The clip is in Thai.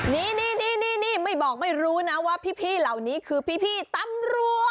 นี่นี่นี่นี่นี่ไม่บอกไม่รู้นะว่าพี่พี่เหล่านี้คือพี่พี่ตำรวจ